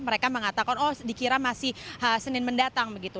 mereka mengatakan oh dikira masih senin mendatang begitu